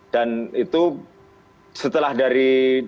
dan itu setelah dari